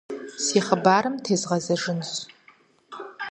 Си хъыбарым тезгъэзэжынщ.